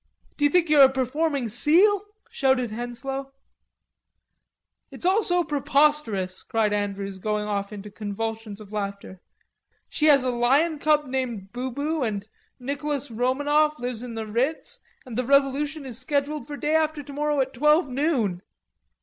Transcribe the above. "Do you think you're a performing seal?" shouted Henslowe. "It's all so preposterous," cried Andrews, going off into convulsions of laughter. "She has a lion cub named Bubu and Nicolas Romanoff lives in the Ritz, and the Revolution is scheduled for day after tomorrow at twelve noon."